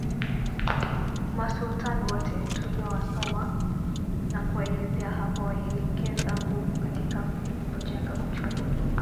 Masultan wote tuliowasoma na kuwaelezea hapa walielekeza nguvu katika kujenga uchumi